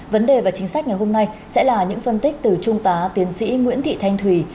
vấn đề và chính sách ngày hôm nay sẽ là những phân tích từ trung tá tiến sĩ nguyễn thị thanh thùy